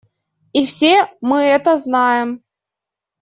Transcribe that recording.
И все мы это знаем.